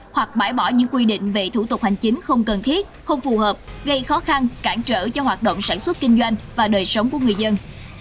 hoặc bãi bỏ những quy định về thủ tục hành chính không cần thiết không phù hợp gây khó khăn cản trở cho hoạt động sản xuất kinh doanh và đời sống của người dân